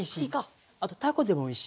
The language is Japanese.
あとたこでもおいしい。